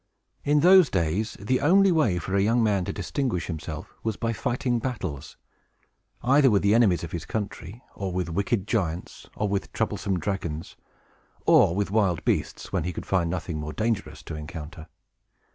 In those days, the only way for a young man to distinguish himself was by fighting battles, either with the enemies of his country, or with wicked giants, or with troublesome dragons, or with wild beasts, when he could find nothing more dangerous to encounter.